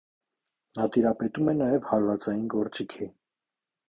Նա տիրապետում է նաև հարվածային գործիքի։